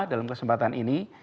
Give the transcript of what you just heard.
dalam kesempatan ini